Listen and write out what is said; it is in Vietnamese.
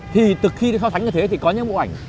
thì từ khi nó so sánh như thế thì có những bộ ảnh